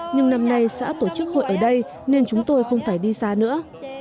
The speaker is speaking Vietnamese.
nhưng năm nay xã tổ chức hội ở đây nên chúng tôi không phải đi xa nữa